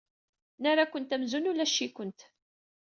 Nerra-kent amzun ulac-ikent.